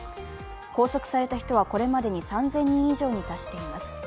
拘束された人はこれまでに３０００人以上に達しています。